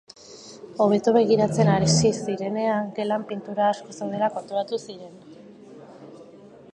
Hobeto begiratzen hasi zirenean, gelan pintura asko zeudela konturatu ziren.